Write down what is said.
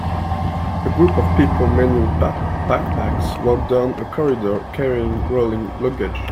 A group of people, many with backpacks, walk down a corridor carrying rolling luggage.